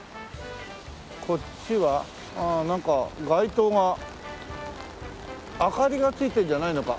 こっちはああなんか街灯が明かりがついてるんじゃないのか。